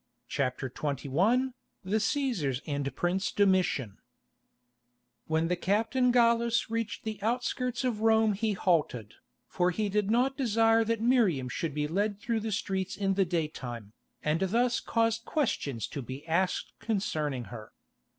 CHAPTER XXI THE CÆSARS AND PRINCE DOMITIAN When the captain Gallus reached the outskirts of Rome he halted, for he did not desire that Miriam should be led through the streets in the daytime, and thus cause questions to be asked concerning her.